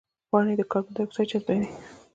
پاڼې د کاربن ډای اکساید جذبوي